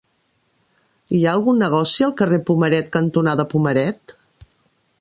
Hi ha algun negoci al carrer Pomaret cantonada Pomaret?